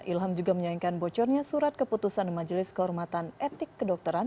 ilham juga menyayangkan bocornya surat keputusan majelis kehormatan etik kedokteran